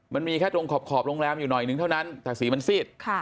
มันมีแค่ตรงขอบโรงแรมอยู่หน่อยนึงเท่านั้นแต่สีมันซีด